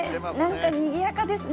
なんかにぎやかですね。